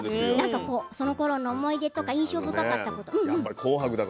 その時の思い出とか印象深かったこととか。